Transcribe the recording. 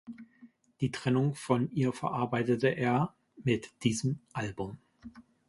Die Trennung von ihr verarbeitete er mit diesem Album.